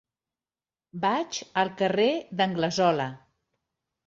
Vaig al carrer d'Anglesola.